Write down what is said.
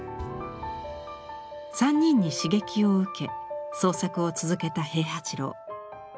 ３人に刺激を受け創作を続けた平八郎。